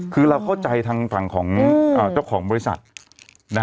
คือเราเข้าใจทางฝั่งของเจ้าของบริษัท